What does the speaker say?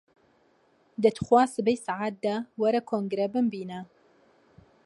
دە توخوا سبەی سەعات دە، وەرە کۆنگرە بمبینە!